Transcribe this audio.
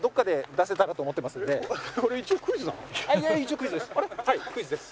一応クイズです。